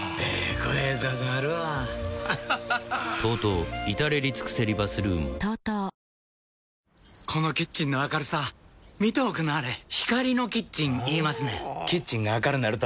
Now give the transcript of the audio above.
声出さはるわＴＯＴＯいたれりつくせりバスルームこのキッチンの明るさ見ておくんなはれ光のキッチン言いますねんほぉキッチンが明るなると・・・